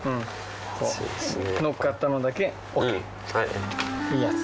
乗っかったのだけＯＫ。